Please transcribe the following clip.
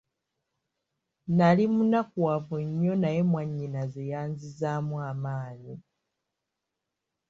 Nali munakuwavu nnyo naye mwannyinaze yanzizaamu amaanyi.